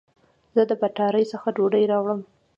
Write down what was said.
زه د بټاری څخه ډوډي راوړم